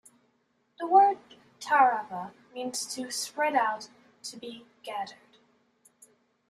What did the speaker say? The word "tarava" means "to be spread out, to be gathered".